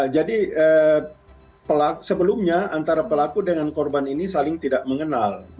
jadi sebelumnya antara pelaku dengan korban ini saling tidak mengenal